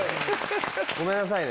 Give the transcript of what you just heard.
ごめんなさいね